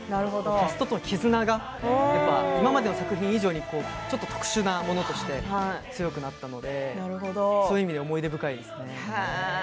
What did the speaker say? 絆が今までの作品以上に特殊なものとして強くなったのでそういう意味で思い出深いです。